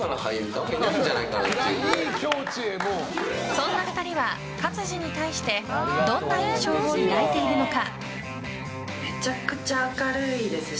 そんな２人は勝地に対してどんな印象を抱いているのか。